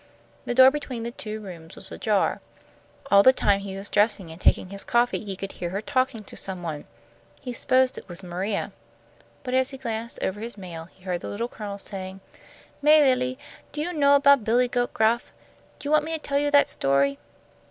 The door between the two rooms was ajar. All the time he was dressing and taking his coffee he could hear her talking to some one. He supposed it was Maria. But as he glanced over his mail he heard the Little Colonel saying, "May Lilly, do you know about Billy Goat Gruff? Do you want me to tell you that story?"